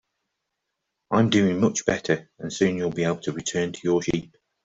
I'm doing much better, and soon you'll be able to return to your sheep.